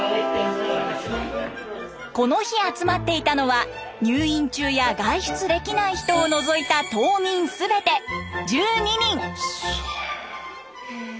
この日集まっていたのは入院中や外出できない人を除いた島民すべて１２人。